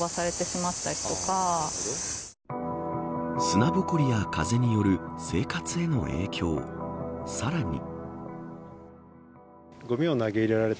砂ぼこりや風による生活への影響さらに。